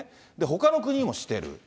ほかの国もしている。